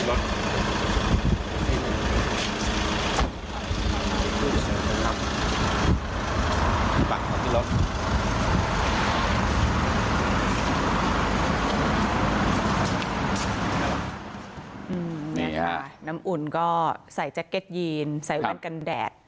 นี่ค่ะน้ำอุ่นก็ใส่แจ็คเก็ตยีนใส่แว่นกันแดด